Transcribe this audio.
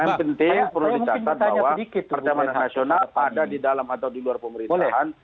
yang penting perlu dicatat bahwa perdamaian nasional ada di dalam atau di luar pemerintahan